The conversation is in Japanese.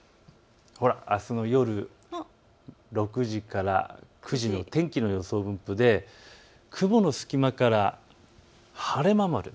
あすの夜６時から９時の天気の予想分布で雲の隙間から晴れ間も出る。